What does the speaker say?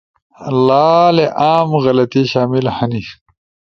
لالے عام غلطی شامل ہنی: